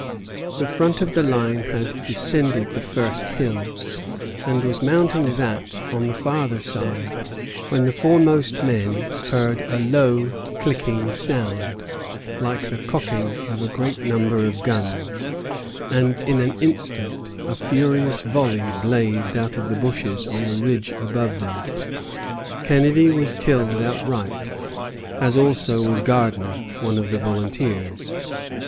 The front of the line had descended the first hill, and was mounting that on the farther side, when the foremost men heard a low clicking sound, like the cocking of a great number of guns; and in an instant a furious volley blazed out of the bushes on the ridge above them. Kennedy was killed outright, as also was Gardner, one of the volunteers.